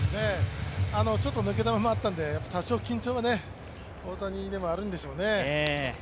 ちょっと抜け球もあったんで多少緊張は、大谷でもあったんでしょうね。